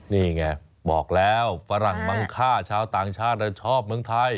นี่ไงบอกแล้วฝรั่งมังค่าชาวต่างชาติชอบเมืองไทย